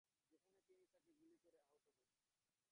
যেখানে তিনি তাকে গুলি করে আহত করেন।